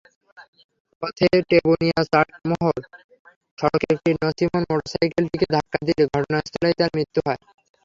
পথে টেবুনিয়া-চাটমোহর সড়কে একটি নছিমন মোটরসাইকেলটিকে ধাক্কা দিলে ঘটনাস্থলেই তার মৃত্যু হয়।